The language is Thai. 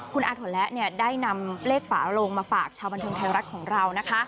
คุณอาถนและได้นำเลขฝาโลงมาฝากชาวบันเทิงไทยรัฐของเรานะคะ